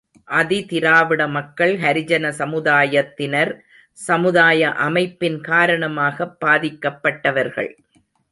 ஆதி திராவிட மக்கள் ஹரிஜன சமுதாயத்தினர், சமுதாய அமைப்பின் காரணமாகப் பாதிக்கப்பட்டவர்கள்.